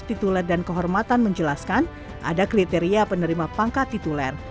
tituler dan kehormatan menjelaskan ada kriteria penerima pangkat tituler